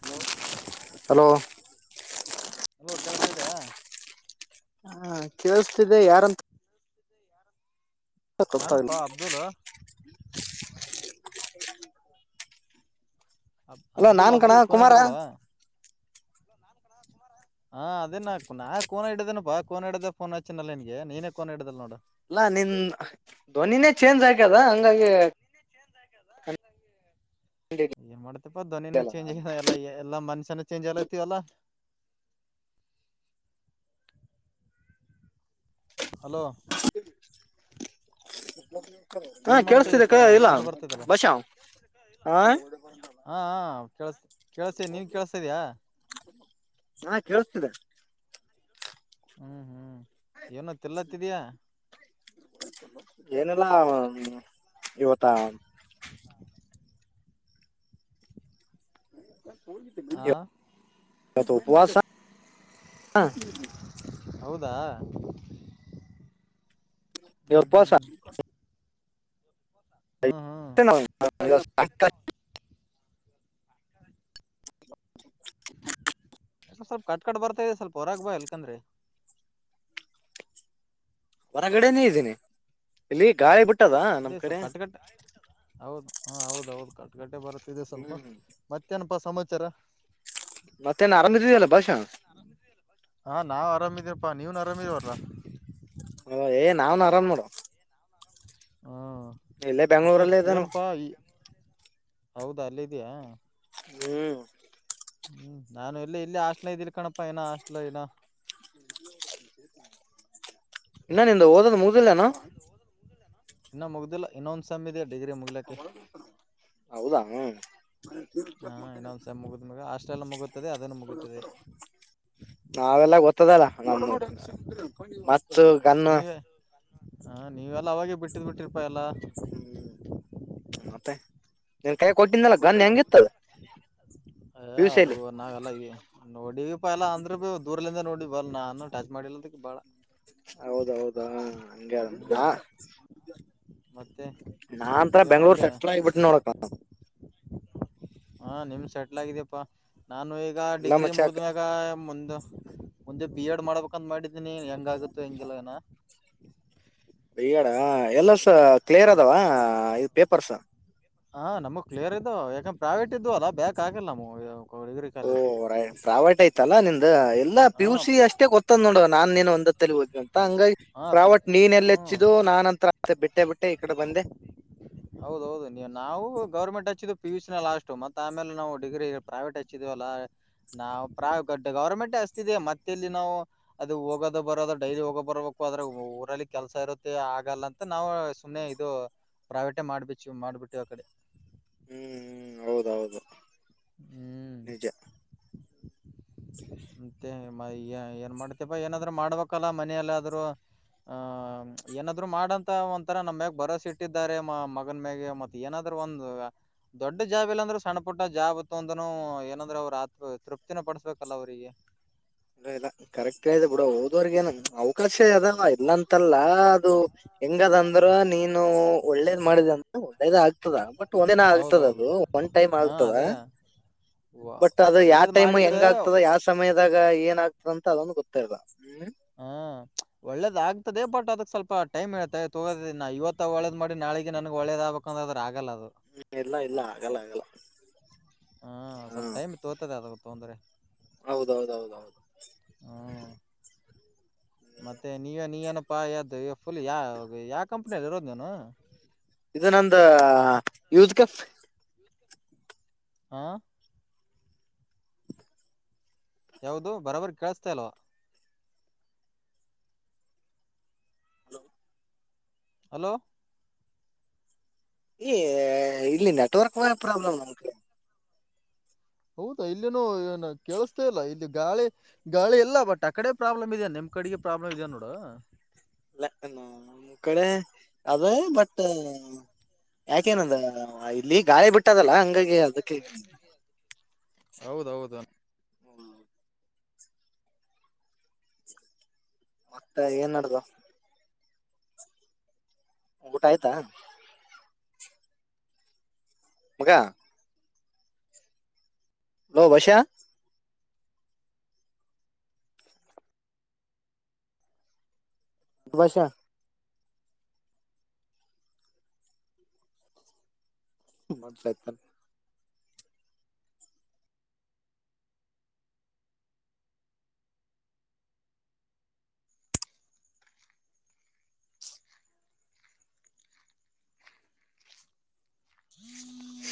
Hello hello hello ಕೆಳ್ಸ್ತಾ ಇದೆಯ? ಹಾ ಕೇಳಸ್ತಿದೆ ಯಾರಂತ್ ನಾನುಪ್ಪಾ ಅಬ್ದುಲು ಅ ಅಲ್ಲಾ ಅಬ್ದುಲ್ ನಾನ್ ಕಣ ಅಬ್ದುಲ್ ಕೋನೆ ಕುಮಾರ ಇಡ್ದಲ್ವಾ? ಹಾ ಅದೇ ನಾ ನಾ ಕೋನ ಹಡಿದೇನಾ ಕೋನ್ ಹಡ್ದೆ ಫೋನ್ ಹಚ್ಚಿನಲ್ಲ ನಿನ್ಗೆ ನೀನೇ ಕೋನ್ ಹಿಡ್ದಲ್ ನೋಡು. ಅಲ್ಲಾ ನಿನ್ ಧ್ವನಿನೇ ಚೇಂಜ್ ಹಾಕ್ಯದ ಹಂಗಾಗಿ ಗ್ಯದ ಹಂಗಾಗಿ ಕಂಡಿಲ್ಲ ಏನ್ ಮಾಡ್ತಪಾ ಧ್ನಿಿನ ಚೇಂಜ್ ನಾನು ಆಗ ಎಲ್ಲ ಎಲ್ಲಾ ಮನ್ಸ ಚ ಚೇಂಜ್ ಆಲ್ಲ ಅಲ್ಲ ಎ ಹಾ ಕೇೇಳಸ್ತಿದೆ ಇಲ್ಲ ಬಷ ಆ ಕೆೇಳಸ ಕೇಳಸ ನೀವ್ ಕೇಳ್ಸಿದ್ಯಾ ಣಹ್ಮ್ ಕೇಳಿಸತಿದೆ ಹ್ಮ್ ಹ್ಮ್. ಏನೋ ತಿಲ್ಲತ್ತಿದೀಯ. ಏನೆಲ್ಲಾ.... ಇವತ್ತ ಹಾ ಯಿವತ್ತ್ ಉಪುವಾಸಾ ಹಾ ಹೌದಾ ಇವಪ್ಪಾಸ ಹ್ಮ [unintelligible] [inaudible] ಯಾ ಸ್ವಲ್ಪ ಕಟ್ ಕಟ್ ಬರ್ತಾ ಇದೆ ಸ್ವಲ್ಪ ಹೊರಾಗ ಬಾ ಎಲ್ಕಂದ್ರೆ ಹೊರಗಡೆನೆೇ ಇದ್ದೀನಿ ಇಲ್ಲಿ ಗಾಯಿ ಬಿಟ್ಟ್ ಅದೇ ಸ್ವಪ್ ಕಟ್ಟಕಟ್ಟ ಹೌದು ಹಾ ಹೌದ ಹೌದು ಕಟ್ಕಟ್ಟೆ ಬರುತ್. ತ್ತಿದೆ ಸ್ವಲ್ಪ ಹ್ಮ್ ಮತ್ತ್ ತ್ತೇನಪಾ ಸಮಾಚಾರ ಮತ್ತೇ ನ್ ಆರಾಮ ಇದ್ದಿಯಲ್ಲ್ ಬಹಾಷಾ ಅಪ್ಪಾ ನೀವ್ ನರಾಮ ಇವ್ರಾ ಹ ಏ ನಾನ್ ಆರಾಮ್ ಮಾಡುವ ಇಲ್ಲೇ ಬೆಂಗ್ಳೂರಲ್ಲೇ ಇದ್ದಾನು ಹೌದಾ ಅಲ್ಲಿದಿಯಾ ಹ್ಮ್ ಹ್ಮ್ ನಾನು ಎಲ್ಲಿ ಎಲ್ಲಿ ಹಾಸ್ಟ್ಲ ಇದ್ದೀನ ಕಣಪ್ಪಾ ಏನ ಹಾಸ್ಟ್ಲ್ ಏನ ಇನ್ನ ನಿಂದು ಓದದ್ ಮುಗ್ದಿಲ್ಲೇನು ಇನ್ನು ಮುಗ್ದಲ್ಲ ಇನ್ನೊಂದ್ ಸೆಮ್ ಇದೆ ಹೌದಾ ಹ್ಮ ನಾವೆಲ್ಲ ಗೊತ್ತ್ [unintelligible] ನೀವೇ ಹ ನೀವೆಲ್ಲ ಅವಾಗೆ ಬಿಟ್ಟ್ [unintelligible] ಹ್ಮ್--ಮತ್ತೇ ಮತ್ತೆ ನಿನ್ ಕಾಯ ಕೊಟ್ಟಿದ್ನಲ್ಲಾ ಗನ್ ಹೆಂಗಿತ್ತು ಏ ಅದು ನಾವೆಲ್ಲಾ ಗೆ ನೋಡಿವಪ್ಪ ಎಲ್ಲಾ ಅಂದ್ರೆ ಬಿ ದೂರಲಿಂದ ನೋಡಿ ನಡ್ ಬಲ್ ನಾನು ಟಚ್ ಮಾಡಿಲ್ಲದಕ್ ಬಾಳ ಹೌದೌದ ಹಂಗೆ ಹ ನಾನಂತೂ ಬೆಂಗ್ಳೂರ್ ಸೆಟ್ಲ್ ಆಗ್ಬಿಟ್ಟು ನೋಡಪ್ ಹಾ ನಿಮ್ ಸೆ ಎಲ್ಲಾಗಿದಿಯಪ್ಪಾ ನಾನು ಈಗ ಎಲ್ಲಾ ಡಿಗ್ರಿ ಮಚ್ಚಾಕ್ ಮುಗಿದ್ಮ್ಯಾಗ ಮುಂದು ಒಂದೆ ಬಿ ಎಡ್ ಮಾಡ್ಬೇಕಂತ್ ಮಾಡಿದ್ ಇದ ನೀನ್ ಹೆಂಗಾಗುತ್ತ್ತು ಹೆಂಗಿಲ್ಲಾನಾ ಬೀಎಡ್ ಆ ಎಲ್ಲಾ ಸು ಕ್ಲಿಯರ್ ಅದವ ಪೇಪರ್ಸ ಹಾ ನಮ್ಗ್ ಕ್ಲಿಯರ್ ಇದ್ ಯಾಕಂದ ಪ್ರೈಾವೇಟ್ ಇದ್ದು ಅಲ್ಲ ಬೇಕಕ್ ಆಗಲ್ಲ ನ್ ಓ ರ ಪ್ರಾವೇಟ್ ಐ್ತಲ್ಲಾ ನಿಂದ್ದ ಎಲ್ಲಾ ಪಿ ಯು ಸಿ ಅಷ್ಟೇ ಗೊತ್ತಂದ್ ನೋಡ ನಾನ್ ನೀನ್ ಒಂದತ್ತಲ್ಲಿ ಹೋಗ್ೇ ಅಂತ ಹಂಗಾಗಿ ಪ್ರಾವೇಟ್ ನೀನ್ ಎಲ್ಲ ಹೆಚ್ಚಿದು ನಾನಂತ ಬಿಟ್ಟೆ ಬಿಟ್ಟೆ ಈ ಕಡೆ ಬಂದೆ ನಾವು ಗೌರ್ಮೆಂಟ್ ಹಚ್ಚಿದವು ಪಿ ಯುಸ ನ ಲಾಸ್ಟ್ ಮತ್ತ ಆಮೇಲೆ ನಾವು ಡಿಗ್ರಿ ಪ್ರೈವೇಟ್ ಹಚ್ಚಿದೇವ ಅಲ್ಲ ನಾವು ಗವರ್ಮೆಂಟೇ ಹಚ್ತಿದ ಮತ್ತೆಲ್ಲಿ ನಾವು ಅದು ಹೋಗೋದ ಬರೋದ ಡೈಲಿ ಹೋಗೋ ಬರಬೇಕು ಅ್ರ ಊರಲ್ಲಿ ಕೆಲಸ ಇರುತ್ತೆ ಆಗಲ್ಲ ಅಂತ ನಾವು ಸುಮ್ಮನೆ ಇದು ಪ್ರೈವೇಟೇ ಮಾಡ್ಬ ಮಾಡ್ಬಿಟ್ಟ ಎಟ್ಟ ಅಕಡೆ ಹ್ಮ್ ಹ್ಮ್ ಹೌದೌದು ನಿಜ ಮತ್ತೆ ಮ ಏನ್ ಮಾಡ್ತಪ್ಪಾ ಏನಾದ್ರು ಮಾಡ್ಬೇಕಲ್ಲ ಮನೆಯಲ್ಲಾದ್ರು ಆಹ ಏನಾದ್ರು ಮಾಡಂತ ಒಂಂತರ ನಮ ಮ್ಯಾಗ ಬರವಸೆ ಇಟ್ಟಿದ್ದಾರೆ ಮ ಮಗನ್ ಮ್ಯಾಗೆ ಮತ್ ಏನಾದ್ರು ಒಂದ ದೊಡ್ಡ ಜಾಬ್ ಇಲ್ಲಾಂದ್ರೂ ಸಣ್ಣ ಪುಟ್ಟ ಜಾಬ್ ಮತ್ತೊಂದನು ಏನಂದ್ರೆ ಅವ್ರ ಆತ್ ತೃಪ್ತಿನ ಪಡಿಸಬೇಕಲ್ಲ ಅವ್ರಿಗೆ ಇ ಇಲ್ಲ ಕರೆಕ್ಟ್ ಆಯದೆ ಬಿೂಡ ಹೋದವರ್ಗೇನು ಅವಕಾಶ ಅದಾವ ಇಲ್ಲಂತಲ್ಲ ಅದು ಹೆಂಗದಂದ್ರ ನೀನು ಒಳ್ಳೇದ ಮಾಡಿದೆ ಅಂತ ಒಳ್ಳೇದ ಆಗ್ತದ ಬಟ್ ಒಂದೇಿನ ಆಗ್ತದ ಅದು ಒನ್ ಟೈಮ್ ಆಗ್ತದ ಬಟ್ ಅದು ಯಾವ ಟೈಮ್ ಹೆಂಗ ಆಗ್ತದ ಯಾವ ಸಮಯದಾಗ ಏನ್ ಆಗ್ತದೆದ ಅದೊಂದು ಗೊತ್ತಾ ಇಲ್ಲ್ಮ ಹ್ಮ್ ಒಳ್ಳೇದ ಆಗ್ತದೆ ಬಟ್ ಅದಕ್ ಸ್ವಲ್ಪ ಟೈಮ್ ಇೇಳ್ೆ ತಗೋ ನಾ ಇವತ್ತ ಒಳ್ಳೇದ್ ಮಾಡಿ ನಾಳಿಗೆ ನನ್ಗ್ ಒಳ್ಳೇದಾಗಗ್ಬೇಕಂದ್ರೆ ಅ್ರೆ ಆಗಲ್ಲ ಹ್ಮ್ ಇಲ್ಲ ಇಲ್ಲ ಆಗಲ್ಲ ಆಗಲ್ಲ ಹಾ ಸ್ವಲ್ಪ ಹ್ಮ್ ಟೈಮ್ ತೋರ್ತದೆ ಅದ ತೊಂದರೆೆ ಹೌದೌದೌದೌದು ಹ್ಮ್ ಮತ್ತೆ ನೀವ ನೀ ಏನಪ್ಪಾ ಯ್ದು ಫುಲ್ ಯಾವ ಯಾವ ಕಂಪ್ನಿಯಲ್ಲಿ ಇರೋದ ನೀನು ಇದು ನಂದ ಯದಕ ಹಾ ಯಾವ್ದ ಬರಾಬರಿ ಕೇಳಸ್ತೇ ಅಲ್ವಾ ಹಲೋ ಹಲೋ ಈ ಇಲ್ಲಿ ನೆಟ್ವರ್ಕ್ ಪ್ರಾಬ್ಲಮ್ ಉಂಟರಿ ಹೌದಾ ಇಲ್ಲನು ಕೇಳಿಸತಾ ಇಲ್ಲ ಇಲ್ಲಿ ಗಾಳಿ ಗಾಳಿ ಎಲ್ಲ ಬಟ್ ಆಕಡೆ ಪ್ರಾಬ್ಲಮ್ ಇದದೆ ನಿಮ್ ಕಡೆಗೆ ಪ್ರಾಬ್ಲಮ್ ಇದ ನೋಡ ಲ್ಲ ನಮ ಕಡೆ ಅದೇ ಬಟ್ ಯಾಕೇನಂದ ಇಲ್ಲಿ ಗಾಳಿ ಬಿಟ್ಟು ಇದಲ್ಲ ಹಂಗಾಗಿ ಅದ ಕ ಹೌದೌದ. ಹ್ಮ್. ಮತ್ತೆ ಏನ್ ನಡ್ದ. ಊಟ ಆಯ್ತಾ. ಮಗ ಹಲೋ ಬಷಾ. ವಾಷಾ. ಮ ಆಯತ. ಹ್ಮ್.